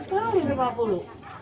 banyak sekali lima puluh